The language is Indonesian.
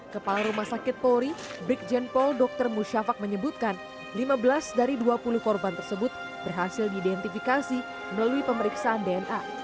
kepala rumah sakit polri brigjen pol dr musyafak menyebutkan lima belas dari dua puluh korban tersebut berhasil diidentifikasi melalui pemeriksaan dna